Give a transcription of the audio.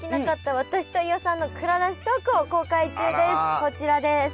こちらです。